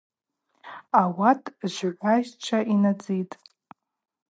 Ауат жвгӏвайщчва йнадзитӏ.